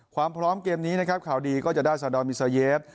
ความพร้อมเกมนี้นะครับข่าวดีก็จะได้ซาดอนมิซาเยฟ